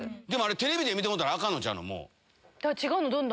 テレビで見てもうたらアカンのちゃうの？